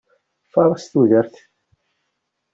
Fares tudert!